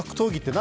何？